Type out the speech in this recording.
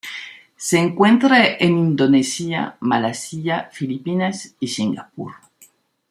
Se encuentra en Indonesia, Malasia, Filipinas, y Singapur.